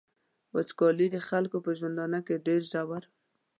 وچکالي د خلکو په ژوندانه کي ډیر ژور.